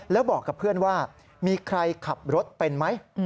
แล้วบอกกับเพื่อนว่ามีใครขับรถเป็นไหม